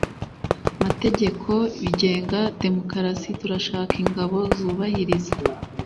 mategeko bigenga demokarasi. turashaka ingabo zubahiriza